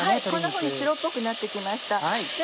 こんなふうに白っぽくなって来ました。